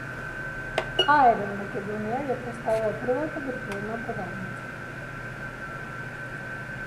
А Еден Македонија ја претставува првата виртуелна продавница